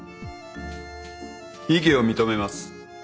異議を認めます。